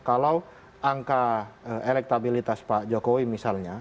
kalau angka elektabilitas pak jokowi misalnya